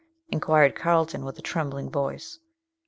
inquired Carlton with a trembling voice.